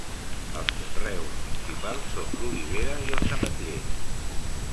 Els conreus principals són l'olivera i els ametllers.